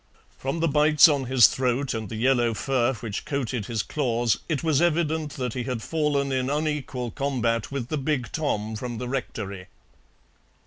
From the bites on his throat and the yellow fur which coated his claws it was evident that he had fallen in unequal combat with the big Tom from the Rectory.